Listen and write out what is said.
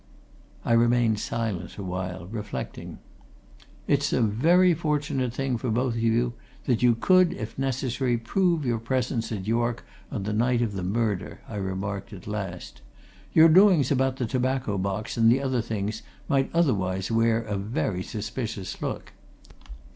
I remained silent awhile, reflecting. "It's a very fortunate thing for both of you that you could, if necessary, prove your presence at York on the night of the murder," I remarked at last. "Your doings about the tobacco box and the other things might otherwise wear a very suspicious look.